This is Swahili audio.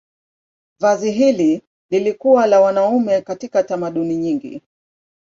Vazi hili lilikuwa la wanaume katika tamaduni nyingi.